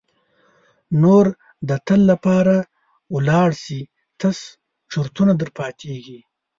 نور د تل لپاره ولاړ سي تش چرتونه در پاتیږي.